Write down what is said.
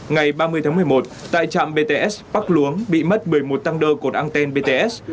ngày ba mươi tháng một mươi một tại trạm bts park lung bị mất một mươi một tăng đơ cột anten bts